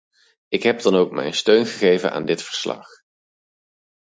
Ik heb dan ook mijn steun gegeven aan dit verslag.